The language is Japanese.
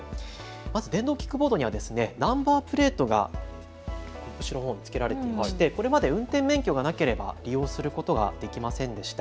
まず電動キックボードにはナンバープレートが後ろのほうに付けられていましてこれまで運転免許がなければ利用することができませんでした。